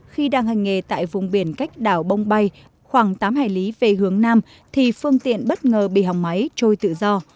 khi đang hành nghề tại vùng biển cách đảo bông bay khoảng tám hải lý về hướng nam thì phương tiện bất ngờ bị hỏng máy trôi tự do